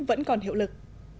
nên còn hiệu lực